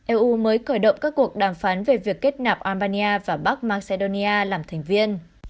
eu mới khởi động các cuộc đàm phán về việc kết nạp albania và bắc macedonia làm thành viên